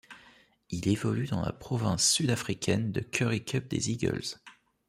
Il évolue dans la province sud-africaine de Currie Cup des Eagles.